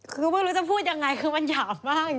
คือไม่รู้จะพูดยังไงคือมันหยาบมาก